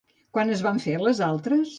Quan es van fer les altres?